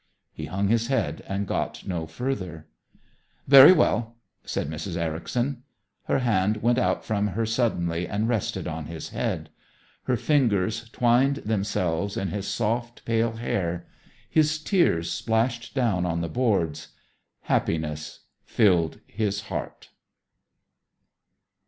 He hung his head and got no further. "Very well," said Mrs. Ericson. Her hand went out from her suddenly and rested on his head. Her fingers twined themselves in his soft, pale hair. His tears splashed down on the boards; happiness filled his heart.